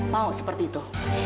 mau seperti itu